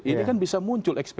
ini kan bisa muncul experi